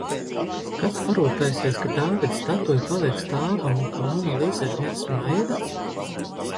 Kas parūpēsies, ka Dāvida statuja paliek stāvam un ka Mona Liza arvien smaida?